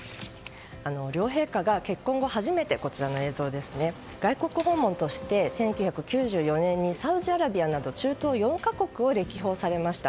両陛下が結婚後初めて外国訪問として１９９４年にサウジアラビアなど中東４か国を歴訪されました。